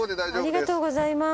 ありがとうございます。